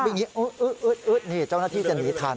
วิ่งอย่างนี้เจ้าหน้าที่จะหนีทัน